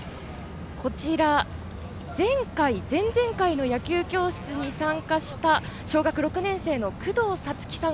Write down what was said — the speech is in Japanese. こちらは前回、前々回の野球教室に参加した小学６年生のくどうさつきさん